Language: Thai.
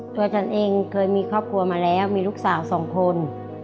ตัวฉันเองเคยมีครอบครัวมาแล้วมีลูกสาวสองคน